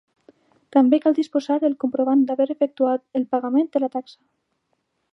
També cal disposar del comprovant d'haver efectuat el pagament de la taxa.